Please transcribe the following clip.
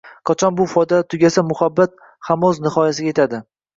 Qachon bu foydalar tugasa muhabbat hamo‘z nihoyasiga yetadi